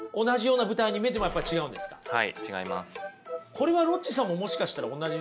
これはロッチさんももしかしたら同じですか？